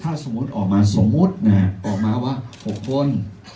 ถ้าสมมุติออกมาสมมุติออกมาว่า๖คน